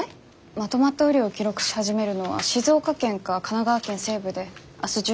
まとまった雨量を記録し始めるのは静岡県か神奈川県西部で明日１４日の夜９時ぐらいかと。